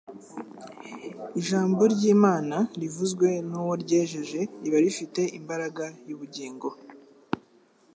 Ijambo ry'Imana rivuzwe n'uwo ryejeje riba rifite imbaraga y'ubugingo